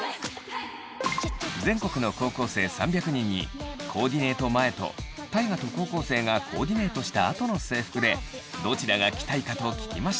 全国の高校生３００人にコーディネート前と大我と高校生がコーディネートしたあとの制服でどちらが着たいかと聞きました。